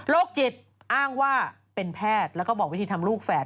จิตอ้างว่าเป็นแพทย์แล้วก็บอกวิธีทำลูกแฝด